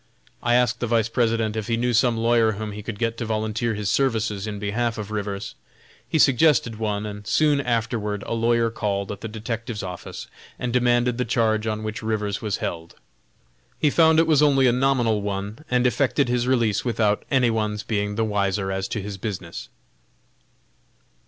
I asked the Vice President if he knew some lawyer whom he could get to volunteer his services in behalf of Rivers. He suggested one, and soon afterward a lawyer called at the detective's office and demanded the charge on which Rivers was held. He found that it was only a nominal one, and effected his release without any one's being the wiser as to his business.